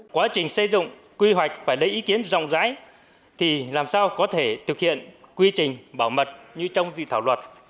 quá trình xây dựng quy hoạch phải lấy ý kiến rộng rãi thì làm sao có thể thực hiện quy trình bảo mật như trong dự thảo luật